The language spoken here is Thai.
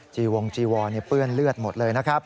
จีวงจีวอนเปื้อนเลือดหมดเลยนะครับ